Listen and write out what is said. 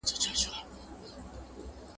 شپه د پانوس له مینانو سره ښه جوړیږي